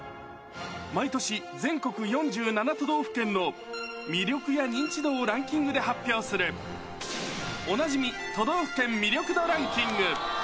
毎年、全国４７都道府県の魅力や認知度をランキングで発表する、おなじみ都道府県魅力度ランキング。